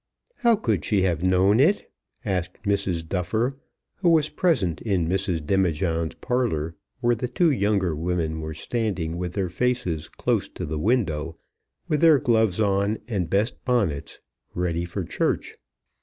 "How could she have known it," asked Mrs. Duffer, who was present in Mrs. Demijohn's parlour, where the two younger women were standing with their faces close to the window, with their gloves on and best bonnets, ready for church.